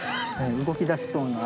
動きだしそうな。